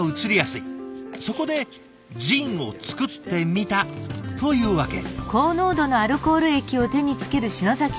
そこでジンを作ってみたというわけ。